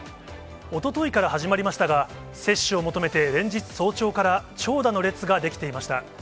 おとといから始まりましたが、接種を求めて連日、早朝から長蛇の列が出来ていました。